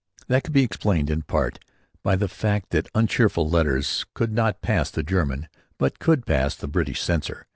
That could be explained in part by the fact that uncheerful letters could not pass the German but could pass the British censor.